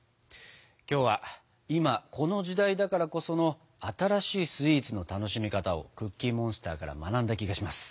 今日は今この時代だからこその新しいスイーツの楽しみ方をクッキーモンスターから学んだ気がします。